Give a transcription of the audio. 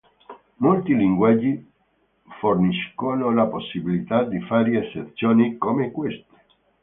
Molti linguaggi forniscono la possibilità di fare asserzioni come queste.